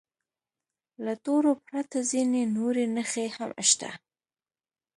له تورو پرته ځینې نورې نښې هم شته.